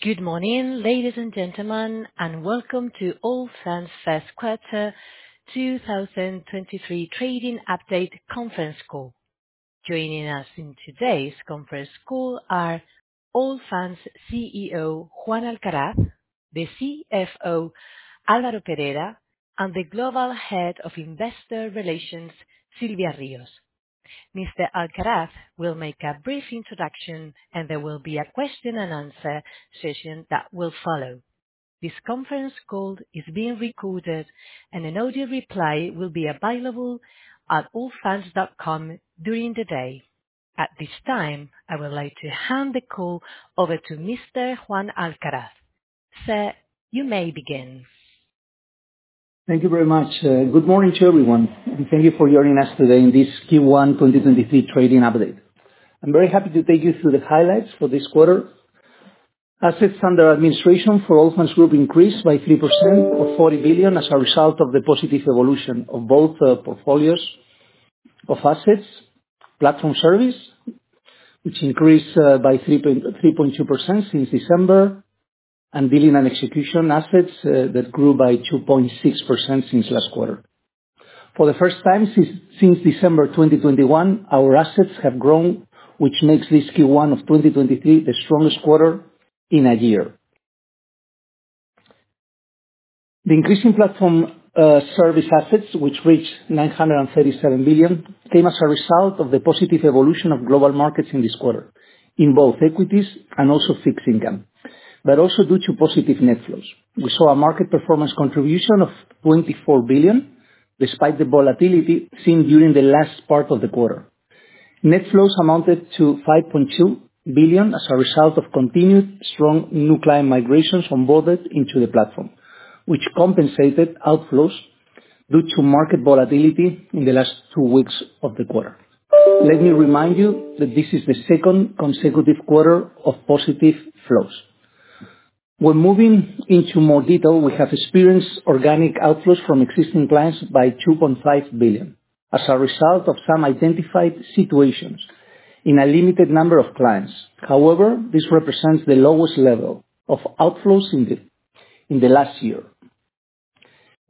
Good morning, ladies and gentlemen, and welcome to Allfunds first quarter 2023 trading update conference call. Joining us in today's conference call are Allfunds CEO, Juan Alcaraz, the CFO, Alvaro Perera, and the Global Head of Investor Relations, Silvia Rios. Mr. Alcaraz will make a brief introduction, and there will be a question and answer session that will follow. This conference call is being recorded, and an audio replay will be available at allfunds.com during the day. At this time, I would like to hand the call over to Mr. Juan Alcaraz. Sir, you may begin. Thank you very much. Good morning to everyone, thank you for joining us today in this Q1 2023 trading update. I'm very happy to take you through the highlights for this quarter. Assets under administration for Allfunds Group increased by 3%, or 40 billion, as a result of the positive evolution of both portfolios of assets, Platform Service, which increased by 3.2% since December, and Dealing & Execution assets that grew by 2.6% since last quarter. For the first time since December 2021, our assets have grown, which makes this Q1 of 2023 the strongest quarter in a year. The increase in platform service assets, which reached 937 billion, came as a result of the positive evolution of global markets in this quarter, in both equities and also fixed income, but also due to positive net flows. We saw a market performance contribution of 24 billion, despite the volatility seen during the last part of the quarter. Net flows amounted to 5.2 billion as a result of continued strong new client migrations onboarded into the platform, which compensated outflows due to market volatility in the last two weeks of the quarter. Let me remind you that this is the second consecutive quarter of positive flows. When moving into more detail, we have experienced organic outflows from existing clients by 2.5 billion as a result of some identified situations in a limited number of clients. This represents the lowest level of outflows in the last year.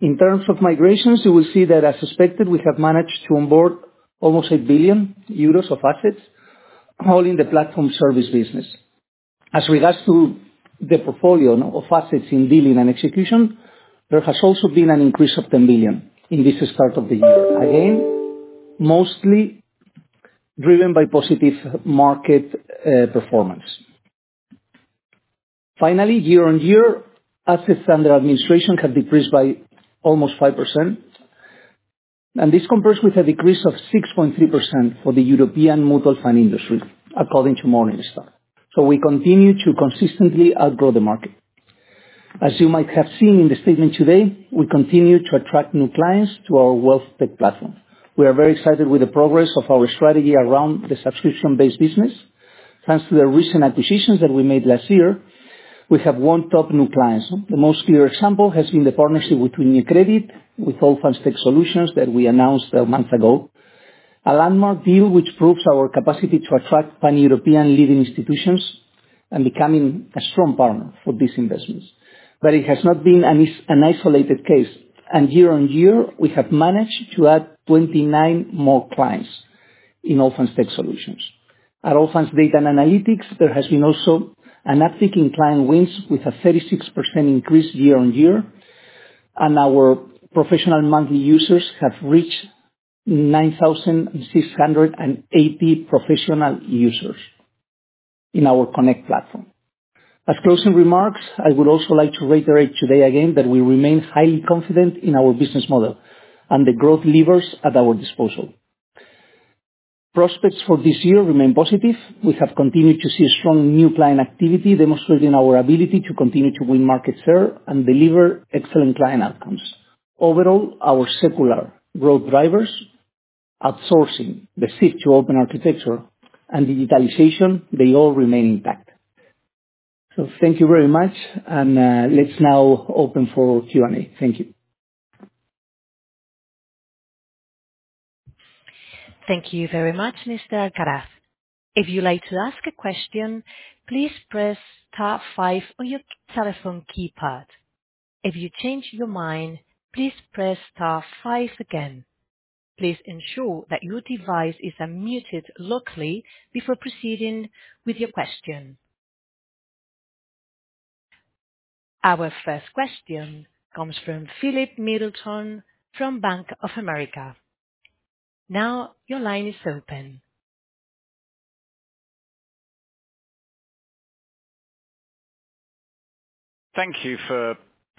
In terms of migrations, you will see that, as suspected, we have managed to onboard almost one billion euros of assets, all in the platform service. As regards to the portfolio of assets in Dealing & Execution, there has also been an increase of 10 billion in this start of the year. Mostly driven by positive market performance. Year-over-year, assets under administration have decreased by almost 5%, and this compares with a decrease of 6.3% for the European mutual fund industry, according to Morningstar. We continue to consistently outgrow the market. As you might have seen in the statement today, we continue to attract new clients to our WealthTech platform. We are very excited with the progress of our strategy around the subscription-based business. Thanks to the recent acquisitions that we made last year, we have won top new clients. The most clear example has been the partnership between Credit Suisse with Allfunds Tech Solutions that we announced a month ago. A landmark deal which proves our capacity to attract pan-European leading institutions and becoming a strong partner for this investments. It has not been an isolated case, and year-on-year, we have managed to add 29 more clients in Allfunds Tech Solutions. At Allfunds Data Analytics, there has been also an uptick in client wins with a 36% increase year-on-year, and our professional monthly users have reached 9,680 professional users in our Connect platform. As closing remarks, I would also like to reiterate today again that we remain highly confident in our business model and the growth levers at our disposal. Prospects for this year remain positive. We have continued to see strong new client activity, demonstrating our ability to continue to win market share and deliver excellent client outcomes. Overall, our secular growth drivers, outsourcing, the shift to open architecture, and digitalization, they all remain intact. Thank you very much and, let's now open for Q&A. Thank you. Thank you very much, Mr. Alcaraz. If you'd like to ask a question, please press star five on your telephone keypad. If you change your mind, please press star five again. Please ensure that your device is unmuted locally before proceeding with your question. Our first question comes from Philip Middleton from Bank of America. Your line is open. Thank you for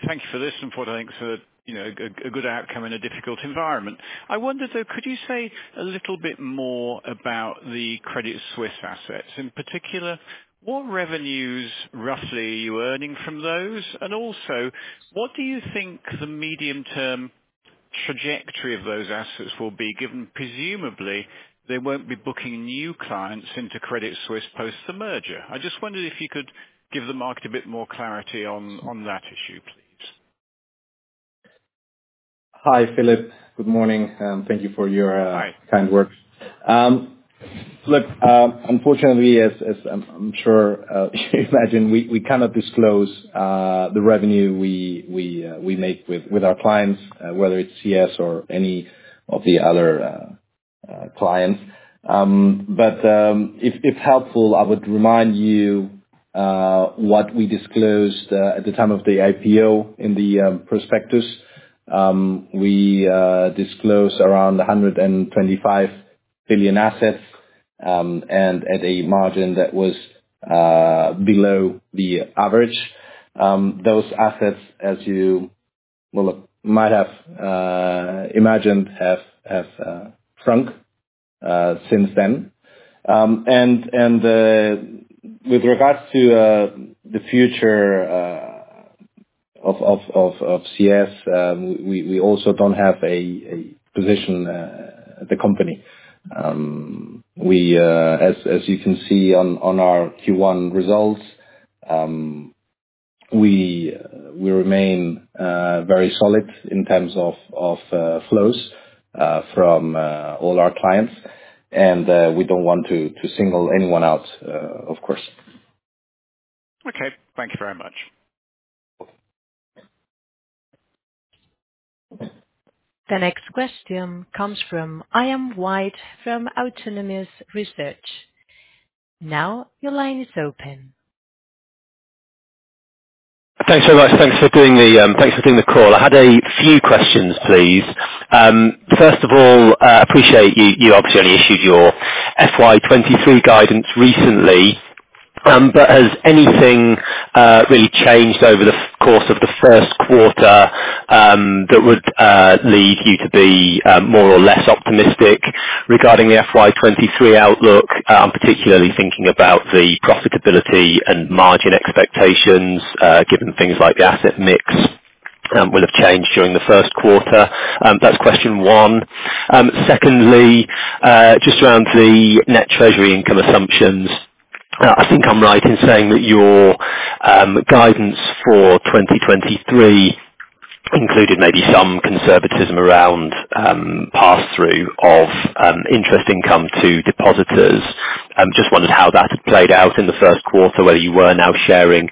this and thanks for, you know, a good outcome in a difficult environment. I wonder, though, could you say a little bit more about the Credit Suisse assets? In particular, what revenues, roughly, are you earning from those? Also, what do you think the medium-term trajectory of those assets will be, given presumably they won't be booking new clients into Credit Suisse post the merger? I just wondered if you could give the market a bit more clarity on that issue, please. Hi, Philip. Good morning, thank you for your. Hi. kind words. Philip, unfortunately, as I'm sure you imagine, we cannot disclose the revenue we make with our clients, whether it's CS or any of the other clients. If helpful, I would remind you what we disclosed at the time of the IPO in the prospectus. We disclosed around 125 billion assets and at a margin that was below the average. Those assets, as you well might have imagined, have shrunk since then. With regards to the future of CS, we also don't have a position at the company. We, as you can see on our Q1 results, we remain very solid in terms of flows from all our clients. We don't want to single anyone out, of course. Okay. Thank you very much. The next question comes from Ian White from Autonomous Research. Now, your line is open. Thanks very much. Thanks for doing the call. I had a few questions, please. First of all, appreciate you obviously only issued your FY 23 guidance recently. Has anything really changed over the course of the first quarter that would lead you to be more or less optimistic regarding the FY 23 outlook? Particularly thinking about the profitability and margin expectations given things like the asset mix would have changed during the first quarter. That's question one. Secondly, just around the net treasury income assumptions. I think I'm right in saying that your guidance for 2023 included maybe some conservatism around pass-through of interest income to depositors. Just wondered how that had played out in the first quarter, whether you were now sharing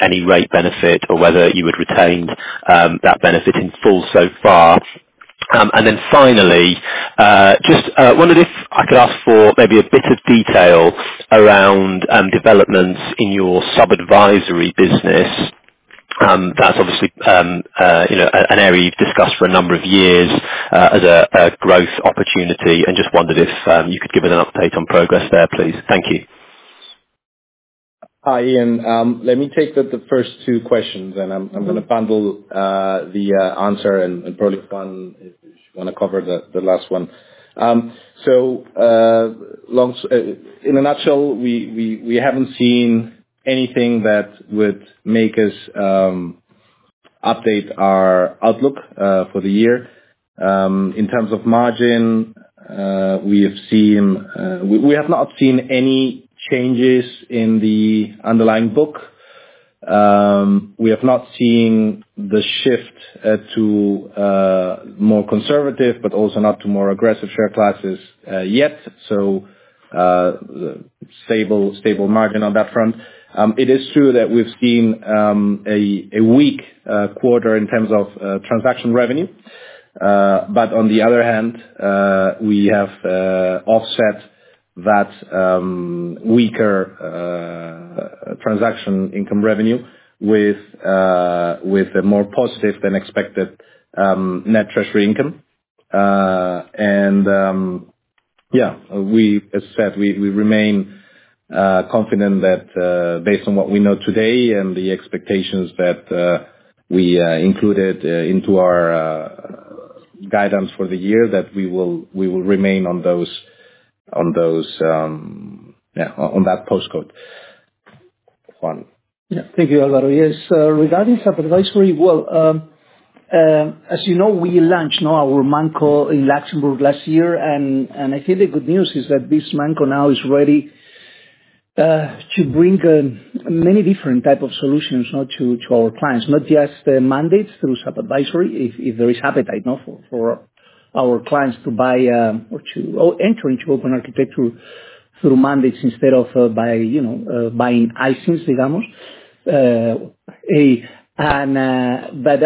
any rate benefit or whether you had retained that benefit in full so far. Finally, just wondered if I could ask for maybe a bit of detail around developments in your sub-advisory business. That's obviously, you know, an area you've discussed for a number of years as a growth opportunity. I just wondered if you could give an update on progress there, please. Thank you. Hi, Ian. Let me take the first two questions. Mm-hmm. I'm gonna bundle the answer. Probably Juan if wanna cover the last one. In a nutshell, we haven't seen anything that would make us update our outlook for the year. In terms of margin, we have seen. We have not seen any changes in the underlying book. We have not seen the shift to more conservative, but also not to more aggressive share classes yet. Stable, stable margin on that front. It is true that we've seen a weak quarter in terms of transaction revenue. On the other hand, we have offset that weaker transaction income revenue with a more positive than expected net treasury income. Yeah, as said, we remain confident that based on what we know today and the expectations that we included into our guidance for the year, that we will remain on those, yeah, on that postcode. Juan. Yeah. Thank you, Alvaro. Yes. Regarding sub-advisory, well, as you know, we launched now our MANCO in Luxembourg last year. I think the good news is that this MANCO now is ready to bring many different type of solutions, you know, to our clients, not just the mandates through sub-advisory, if there is appetite, you know, for our clients to buy or enter into open architecture through mandates instead of buying IICs, digamos.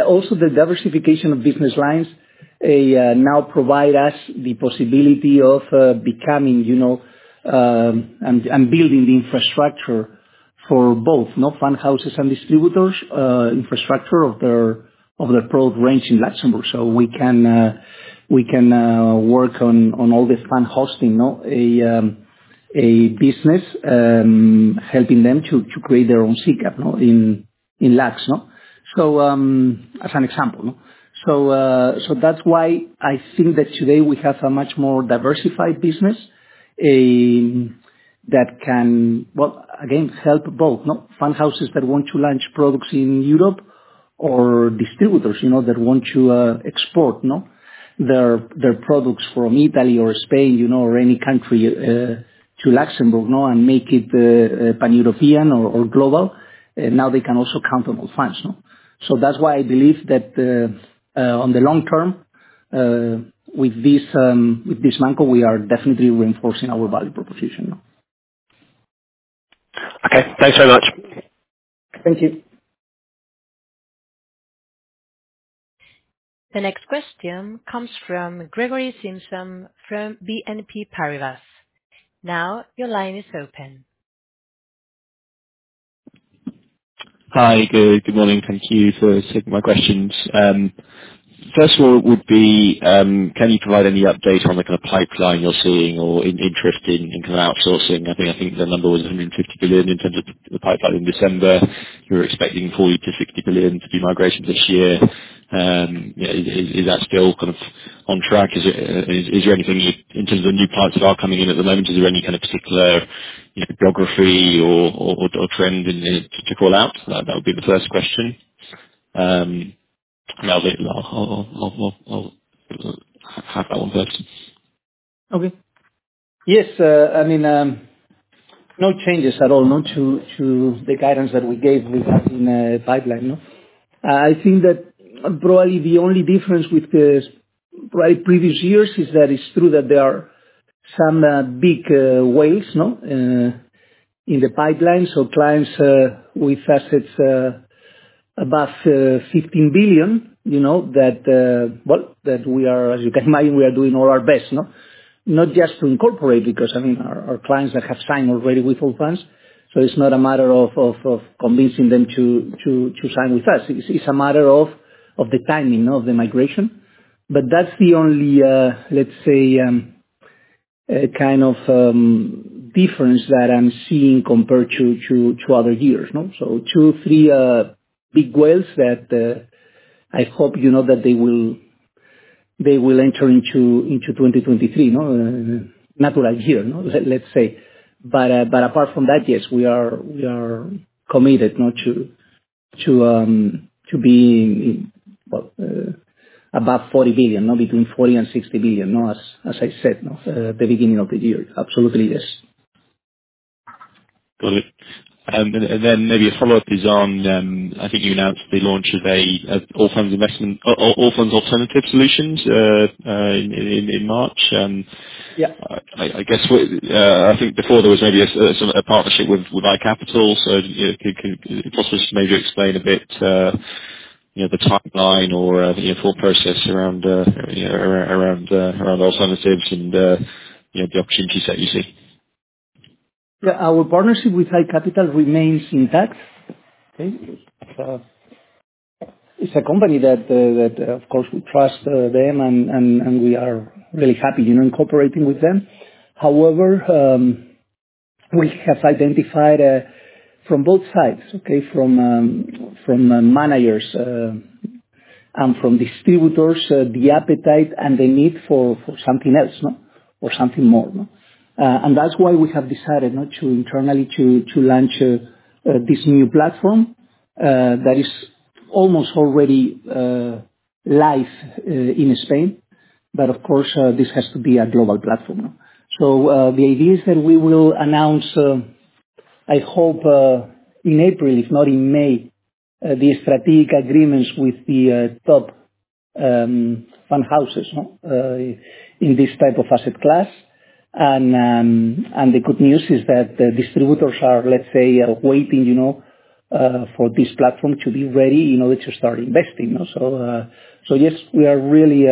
Also the diversification of business lines now provide us the possibility of becoming and building the infrastructure for both fund houses and distributors infrastructure of their product range in Luxembourg. We can work on all this fund hosting, you know, a business, helping them to create their own SICAV, you know, in Lux, you know. As an example. That's why I think that today we have a much more diversified business that can, well, again, help both, you know, fund houses that want to launch products in Europe or distributors, you know, that want to export, you know, their products from Italy or Spain, you know, or any country to Luxembourg, you know, and make it pan-European or global. Now they can also count on Allfunds, no. That's why I believe that on the long-term, with this, with this mantle, we are definitely reinforcing our value proposition. Okay. Thanks very much. Thank you. The next question comes from Gregory Simpson from BNP Paribas. Your line is open. Hi. Good morning. Thank you for accepting my questions. First of all would be, can you provide any update on the kind of pipeline you're seeing or in-interest in kind of outsourcing? I think the number was 150 billion in terms of the pipeline in December. You were expecting 40 billion-60 billion to be migration this year. Is that still kind of on track? Is there anything in terms of the new pipes that are coming in at the moment, is there any kind of particular, you know, geography or trend in there to call out? That would be the first question. I'll hang on first. Okay. Yes. I mean, no changes at all, no, to the guidance that we gave regarding the pipeline, no. I think that probably the only difference with the previous years is that it's true that there are some big whales, no, in the pipeline, so clients with assets above 15 billion, you know, that well, that we are, as you can imagine, we are doing all our best, you know. Not just to incorporate because, I mean, are clients that have signed already with Allfunds, so it's not a matter of convincing them to sign with us. It's a matter of the timing, of the migration. That's the only, let's say, kind of difference that I'm seeing compared to other years, no. Two, three big whales that I hope you know that they will enter into 2023, no. Not right here, no, let's say. Apart from that, yes, we are committed now to be well above 40 billion, now between 40 billion and 60 billion, no, as I said, no, the beginning of the year. Absolutely, yes. Got it. Maybe a follow-up is on, I think you announced the launch of a, Allfunds investment or Allfunds Alternative Solutions, in March. Yeah. I think before there was maybe a partnership with iCapital. You know, if possible, just maybe explain a bit, you know, the timeline or, you know, full process around alternatives and, you know, the opportunities that you see. Yeah. Our partnership with iCapital remains intact. Okay? It's a company that of course we trust them and we are really happy, you know, cooperating with them. We have identified from both sides, okay? From managers and from distributors, the appetite and the need for something else, no? Something more, no? That's why we have decided now to internally to launch this new platform that is almost already live in Spain. Of course, this has to be a global platform. The idea is that we will announce, I hope, in April, if not in May, these strategic agreements with the top fund houses, no, in this type of asset class. The good news is that the distributors are, let's say, are waiting, you know, for this platform to be ready in order to start investing, no. Yes, we are really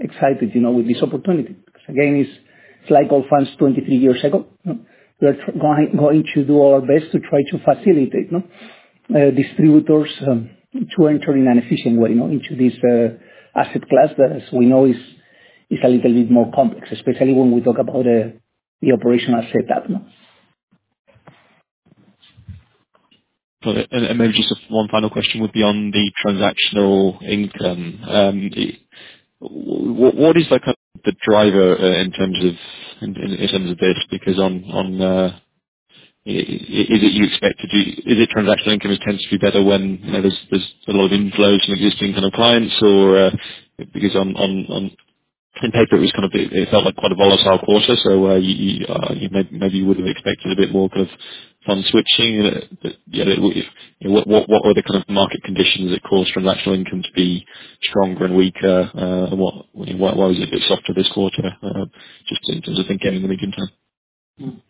excited, you know, with this opportunity. Again, it's like Allfunds 23 years ago, no. We are going to do all our best to try to facilitate, no, distributors, to enter in an efficient way, you know, into this asset class that, as we know is a little bit more complex, especially when we talk about the operational setup, no. Got it. Maybe just one final question would be on the transactional income. What is the driver in terms of this? On principle, it was kind of, it felt like quite a volatile quarter. You maybe would have expected a bit more kind of fund switching. Yet what were the kind of market conditions that caused transactional income to be stronger and weaker? Why was it a bit softer this quarter? Just in terms of thinking in the medium-term.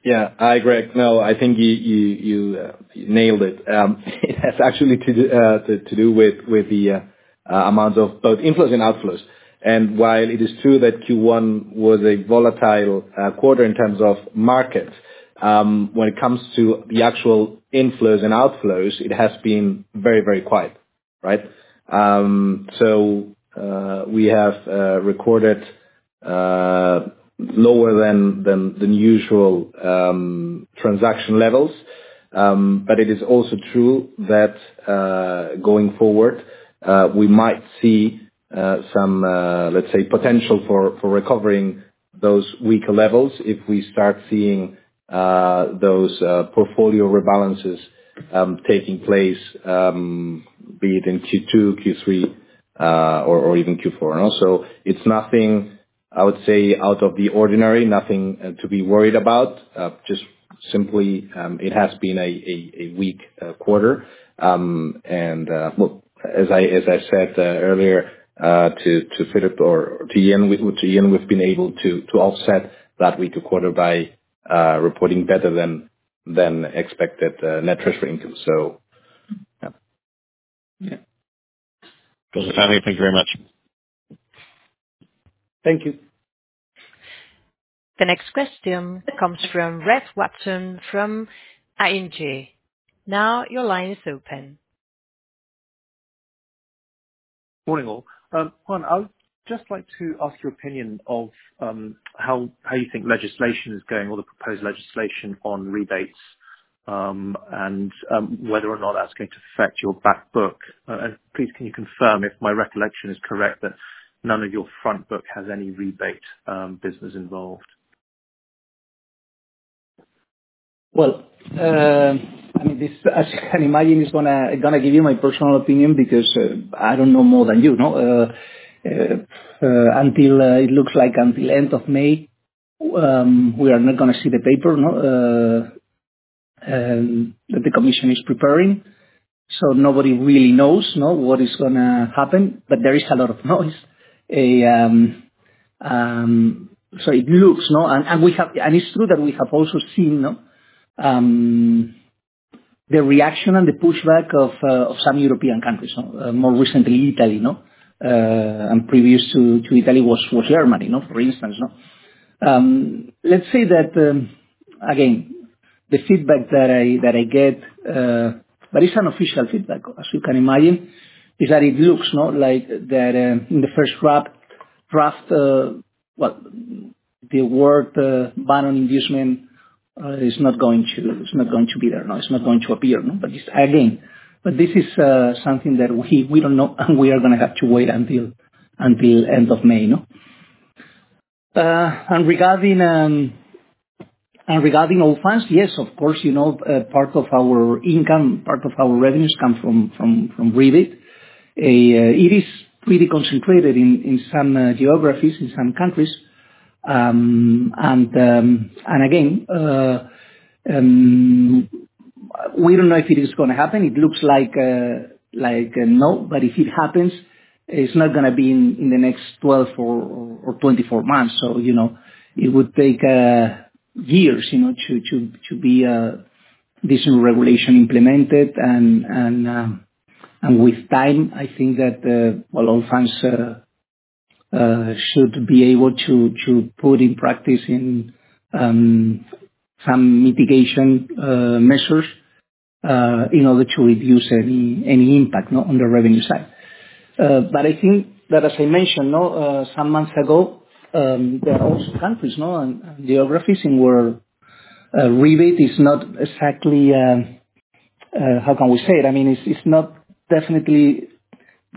Yeah, I agree. No, I think you, you nailed it. It has actually to do, to do with the amount of both inflows and outflows. While it is true that Q1 was a volatile quarter in terms of market, when it comes to the actual inflows and outflows, it has been very quiet, right? We have recorded lower than usual transaction levels. It is also true that going forward, we might see some, let's say, potential for recovering those weaker levels if we start seeing those portfolio rebalances taking place, be it in Q2, Q3, or even Q4. Also it's nothing I would say out of the ordinary, nothing to be worried about. Just simply, it has to be in a weak quarter. Look, as I said earlier, to Philip or to Ian, with Ian, we've been able to offset that weak quarter by reporting better than expected net treasury income. Yeah. Joseph, thank you very much. Thank you. The next question comes from Reg Watson from ING. Now your line is open. Morning, all. Juan, I would just like to ask your opinion of how you think legislation is going or the proposed legislation on rebates, and whether or not that's going to affect your back book. Please can you confirm if my recollection is correct that none of your front book has any rebate business involved? Well, I mean, this, as you can imagine, is gonna give you my personal opinion because I don't know more than you know. It looks like until end of May, we are not gonna see the paper, no, that the commission is preparing. Nobody really knows, no, what is gonna happen. There is a lot of noise. It looks, no? We have... It's true that we have also seen the reaction and the pushback of some European countries, no, more recently Italy, you know. Previous to Italy was Germany, you know, for instance, you know. Let's say that, again, the feedback that I get, but it's unofficial feedback, as you can imagine, is that it looks not like that, in the first draft, what, the word, inducement ban, is not going to be there, no, it's not going to appear. Just again. This is something that we don't know and we are gonna have to wait until end of May, you know. Regarding Allfunds, yes, of course, you know, part of our income, part of our revenues come from rebate. It is pretty concentrated in some geographies, in some countries. Again, we don't know if it is gonna happen. It looks like, no. If it happens, it's not gonna be in the next 12 or 24 months. You know, it would take years, you know, to be this regulation implemented. With time, I think that, well, Allfunds should be able to put in practice in some mitigation measures in order to reduce any impact, no, on the revenue side. I think that, as I mentioned, no, some months ago, there are also countries, no, and geographies in where a rebate is not exactly... How can we say it? I mean, it's not definitely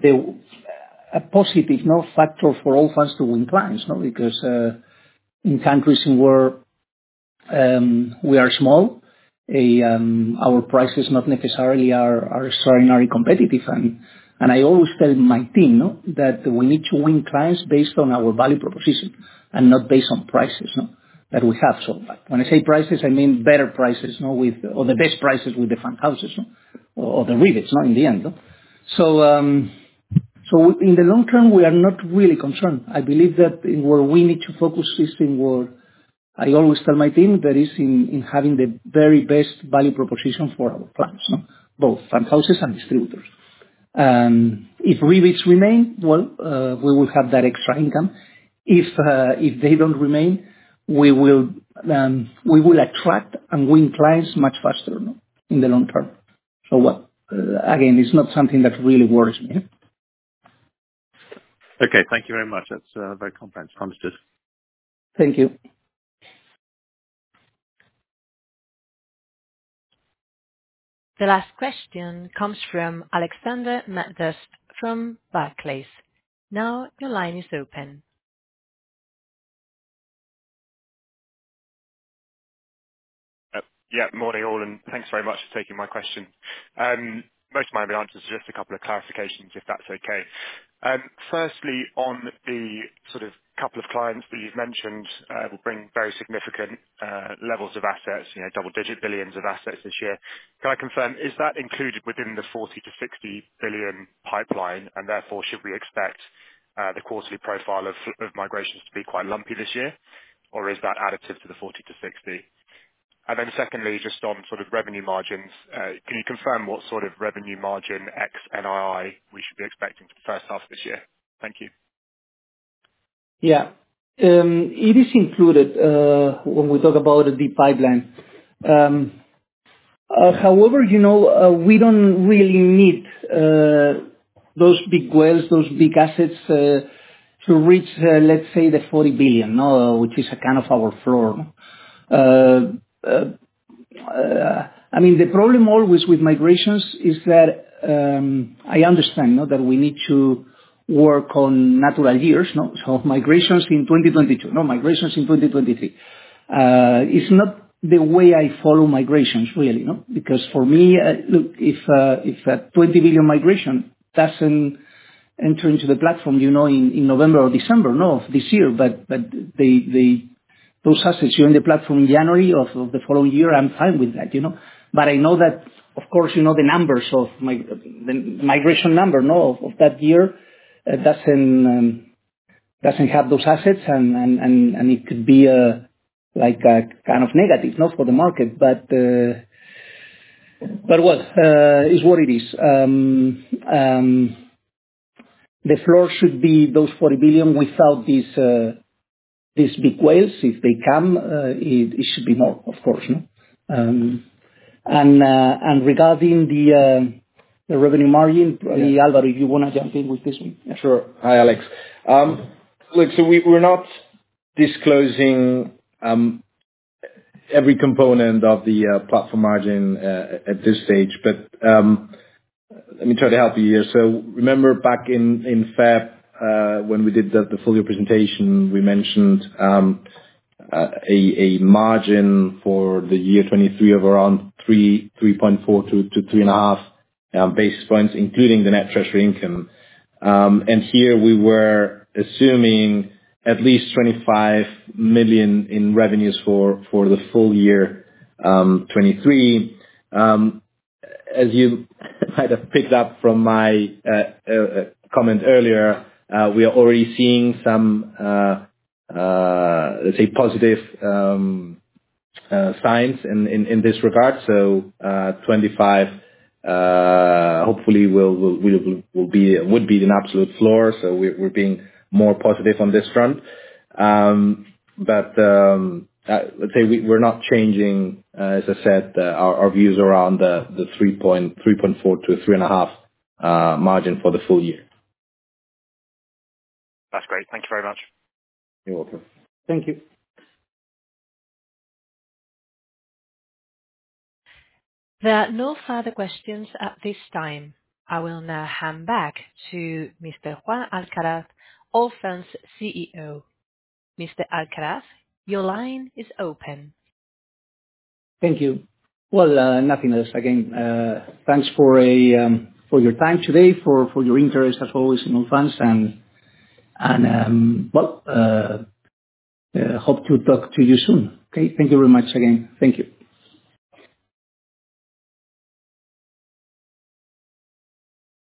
the, a positive, no, factor for Allfunds to win clients, you know. Because in countries in where we are small, our prices not necessarily are extraordinarily competitive. I always tell my team, you know, that we need to win clients based on our value proposition and not based on prices, no, that we have so far. When I say prices, I mean better prices, no, with or the best prices with different houses or the rebates, you know, in the end. In the long-term, we are not really concerned. I believe that in where we need to focus is in where I always tell my team, that is in having the very best value proposition for our clients, no, both fund houses and distributors. If rebates remain, well, we will have that extra income. If, if they don't remain, we will, we will attract and win clients much faster, no, in the long-term. Again, it's not something that really worries me. Okay. Thank you very much. That's very comprehensive. Thank you. The last question comes from Alexander Mattess from Barclays. Now your line is open. Yeah. Morning, all, thanks very much for taking my question. Most of my answers are just a couple of clarifications, if that's okay. Firstly, on the sort of couple of clients that you've mentioned, will bring very significant levels of assets, you know, double-digit billions of assets this year. Can I confirm, is that included within the 40 billion-60 billion pipeline? Therefore, should we expect the quarterly profile of migrations to be quite lumpy this year? Is that additive to the 40 billion-60 billion? Secondly, just on sort of revenue margins, can you confirm what sort of revenue margin ex NII we should be expecting for the first half this year? Thank you. Yeah. It is included, when we talk about the pipeline. However, you know, we don't really need those big whales, those big assets to reach, let's say the 40 billion, no, which is kind of our floor. I mean, the problem always with migrations is that I understand, you know, that we need to work on natural years, no? Migrations in 2022, no, migrations in 2023. It's not the way I follow migrations really, you know? Because for me, look, if a 20 billion migration doesn't enter into the platform, you know, in November or December, no, of this year, but the inaudible during the platform in January of the following year, I'm fine with that, you know. I know that, of course, you know the numbers of migration number, no, of that year doesn't have those assets and it could be like a kind of negative, not for the market. What is what it is. The floor should be those 40 billion without these big whales. If they come, it should be more of course, you know. Regarding the revenue margin, probably Alvaro, you wanna jump in with this one? Sure. Hi, Alex. Look, we're not disclosing every component of the platform margin at this stage. Let me try to help you here. Remember back in Feb, when we did the full year presentation, we mentioned a margin for the year 2023 of around 3.4 to 3.5 basis points, including the net treasury income. Here we were assuming at least 25 million in revenues for the full year 2023. As you might have picked up from my comment earlier, we are already seeing some, let's say positive, signs in this regard. 25 million, hopefully will be an absolute floor, so we're being more positive on this front. Let's say we're not changing, as I said, our views around the 3.4% to 3.5% margin for the full year. That's great. Thank you very much. You're welcome. Thank you. There are no further questions at this time. I will now hand back to Mr. Juan Alcaraz, Allfunds CEO. Mr. Alcaraz, your line is open. Thank you. Well, nothing else. Again, thanks for your time today, for your interest as always in Allfunds. Well, hope to talk to you soon. Okay, thank you very much again. Thank you.